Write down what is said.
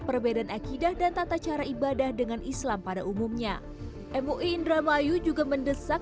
perbedaan akidah dan tata cara ibadah dengan islam pada umumnya mui indramayu juga mendesak